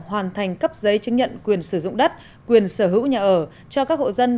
hoàn thành cấp giấy chứng nhận quyền sử dụng đất quyền sở hữu nhà ở cho các hộ dân